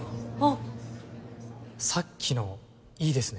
さっきのいいですね